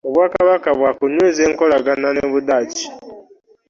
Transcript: Obwakabaka bwakunyweza enkolagana ne budaaki.